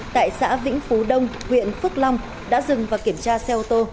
tại xã vĩnh phú đông huyện phước long đã dừng và kiểm tra xe ô tô